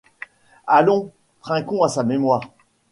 Allons, trinquons à sa mémoire.